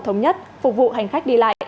thống nhất phục vụ hành khách đi lại